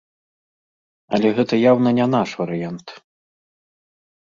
Але гэта яўна не наш варыянт.